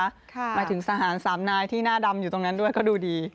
หมายถึงทหารสามนายที่หน้าดำอยู่ตรงนั้นด้วยก็ดูดี